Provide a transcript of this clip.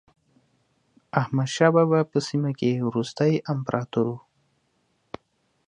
احمد شاه بابا په سیمه کې وروستی امپراتور و.